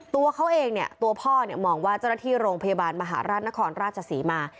ตัวเขาเองเนี่ยตัวพ่อเนี่ยมองว่าเจ้าหน้าที่โรงพยาบาลมหาราชนครราชศรีมา